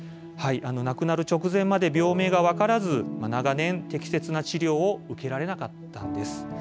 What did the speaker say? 亡くなる直前まで病名が分からず、長年、適切な治療を受けられなかったんです。